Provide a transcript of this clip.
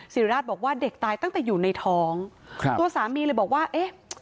ศิริราชบอกว่าเด็กตายตั้งแต่อยู่ในท้องครับตัวสามีเลยบอกว่าเอ๊ะ